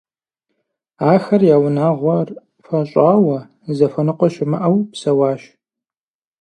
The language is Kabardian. Ахэр я унагъуэр хуэщӀауэ, зыхуэныкъуэ щымыӀэу псэуащ.